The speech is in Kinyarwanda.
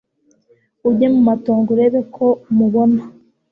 ujye mu matongo urebe ko umubona